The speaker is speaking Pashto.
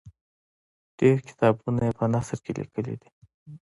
ډېر کتابونه یې په نثر کې لیکلي دي.